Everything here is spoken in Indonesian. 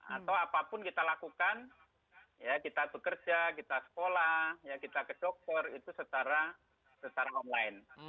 atau apapun kita lakukan kita bekerja kita sekolah kita ke dokter itu secara online